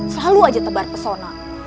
selalu aja tebar pesona